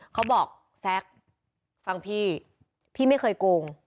เขาบอกแซคฟังพี่พี่ไม่เคยโกง